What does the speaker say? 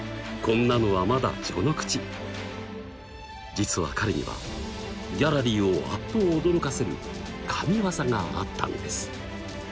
実は彼にはギャラリーをあっと驚かせる神業があったんです。